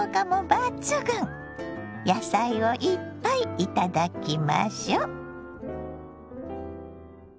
野菜をいっぱいいただきましょ。